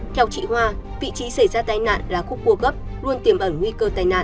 theo chị hoa vị trí xảy ra tai nạn là khúc cua gấp luôn tiềm ẩn nguy cơ tai nạn